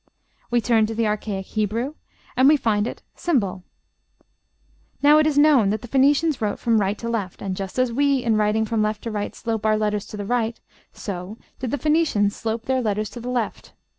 We turn to the archaic Hebrew, and we find ###. Now it is known that the Phoenicians wrote from right to left, and just as we in writing from left to right slope our letters to the right, so did the Phoenicians slope their letters to the left.